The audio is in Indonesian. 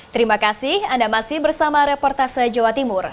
terima kasih anda masih bersama reportase jawa timur